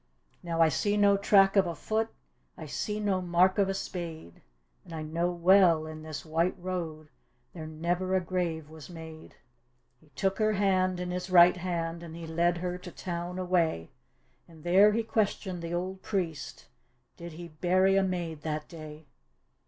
" Now I see no track of a foot, I see no mark of a spade. And I know well in this white road There never a grave was made." He took her hand in his right hand. And he led her to town away. And there he questioned the old priest. Did he bury a maid that day.